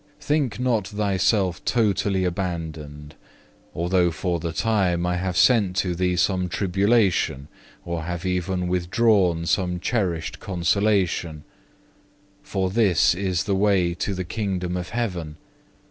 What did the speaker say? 4. "Think not thyself totally abandoned, although for the time I have sent to thee some tribulation, or have even withdrawn some cherished consolation; for this is the way to the Kingdom of Heaven.